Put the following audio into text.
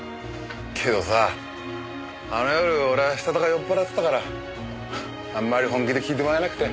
けどさあの夜俺はしたたか酔っ払ってたからあんまり本気で聞いてもらえなくて。